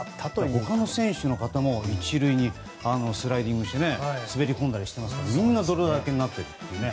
他の選手の方も１塁にスライディングして滑り込んだりしてみんな泥だらけになっててね。